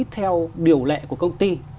theo điều lệ của công ty